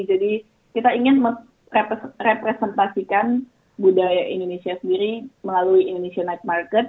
jadi kita ingin representasikan budaya indonesia sendiri melalui indonesia night market